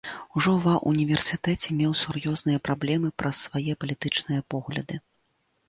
Ужо ва ўніверсітэце меў сур'ёзныя праблемы праз свае палітычныя погляды.